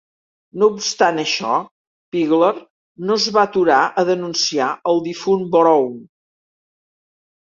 No obstant això, Pegler no es va aturar a denunciar al difunt Broun.